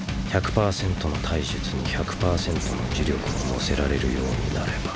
１００％の体術に１００％の呪力を乗せられるようになれば。